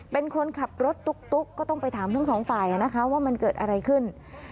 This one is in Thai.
เป็นคนขับรถตุ๊กก็ต้องไปถามทั้งสองฝ่ายนะคะว่ามันเกิดอะไรขึ้น